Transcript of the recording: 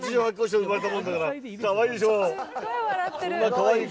かわいい。